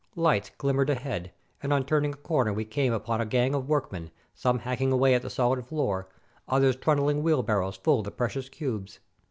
Lights glimmered ahead, and on turning a corner we came upon a gang of work men, some hacking away at the solid floor, others trun dling wheelbarrows full of the precious cubes.